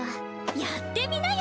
やってみなよ